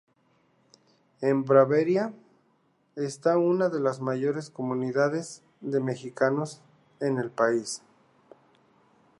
En Baviera, está una de las mayores comunidades de mexicanos en el país.